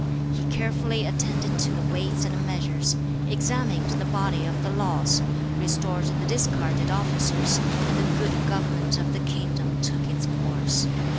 6. He carefully attended to the weights and measures, examined the body of the laws, restored the discarded officers, and the good government of the kingdom took its course.